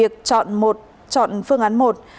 chọn một chọn phương án một